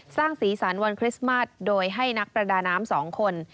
สร้างสีสันวันคริสต์มัสโดยให้นักประดาน้ำ๒คน